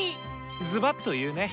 ズバっと言うね。